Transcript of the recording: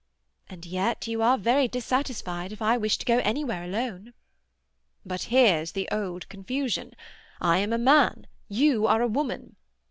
And yet you are very dissatisfied if I wish to go anywhere alone." "But here's the old confusion. I am a man; you are a woman."